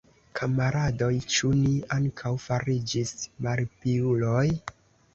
Kamaradoj, ĉu ni ankaŭ fariĝis malpiuloj?